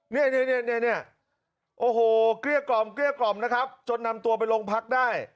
เนี่ยเนี่ยโอ้โหเกลี้ยกล่อมนะครับจนนำตัวไปลงพักได้